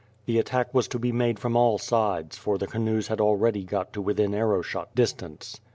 The attack was to be made from all sides, for the canoes had already got to within arrow shot distance.